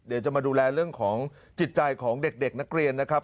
เดี๋ยวจะมาดูแลเรื่องของจิตใจของเด็กนักเรียนนะครับ